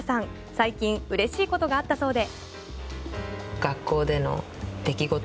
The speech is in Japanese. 最近嬉しいことがあったそうで。